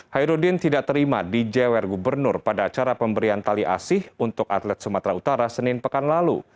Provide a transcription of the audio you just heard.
hairudin tidak terima di jewer gubernur pada acara pemberian tali asih untuk atlet sumatera utara senin pekan lalu